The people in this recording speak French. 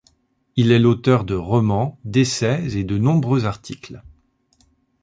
Il est l'auteur de romans, d'essais et de nombreux articles.